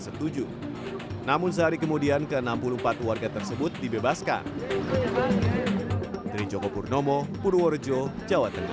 setuju namun sehari kemudian ke enam puluh empat warga tersebut dibebaskan dari joko purnomo purworejo jawa tengah